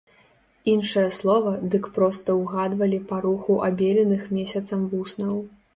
Іншае слова дык проста ўгадвалі па руху абеленых месяцам вуснаў.